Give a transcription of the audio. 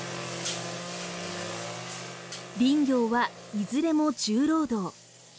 林業はいずれも重労働。